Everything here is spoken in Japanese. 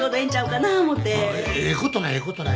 ええことないええことない。